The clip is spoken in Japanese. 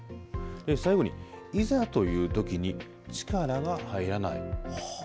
最後に、いざという時に力が入らない。